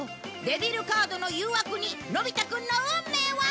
デビルカードの誘惑にのび太くんの運命は？